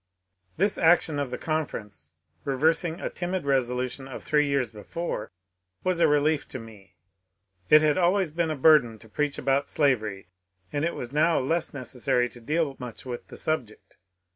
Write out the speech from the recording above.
This action of the conference, reversing a timid resolution of three years before, was a relief to me. It had always been a burden to preach about slavery, and it was now less neces sary to deal much with the subject.